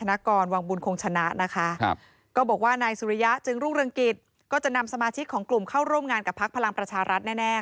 อันวิชานาคาสายนี่ก็เป็นกรรมการบริหารพลังประชารัฐแล้ว